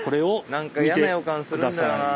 なんか嫌な予感するんだよな。